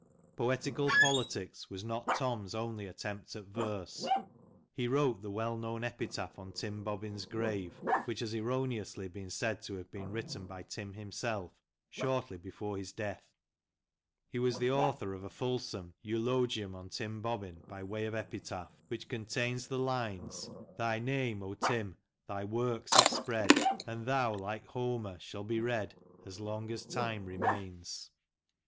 " Poetical Politics " was not Tom's only attempt at verse. He wrote the well known epitaph on Tim Bobbin's grave, which has erroneously been said to have been written by Tim himself shortly before his death. He was author of a fulsome " Eulogium on Tim Bobbin by way of epitaph," which contains the lines :— THE CHILDREN OF TIM BOBBIN. 129 " Thy name, O Tim ! thy works have spread, And thou, Hke Homer, shall be read As long as time remains."